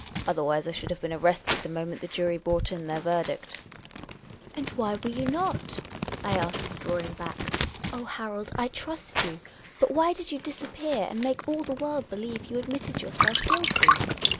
Otherwise, I should have been arrested the moment the jury brought in their verdict." 298 Miss Caylcy's Adventures "And why were you not?" I asked, drawing back. " Oh, Harold, I trust you ; but why did you disappear and make all the world believe you admitted yourself guilty?"